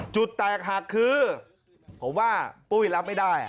จุดแตกหักคือผมว่าปุ้ยรับไม่ได้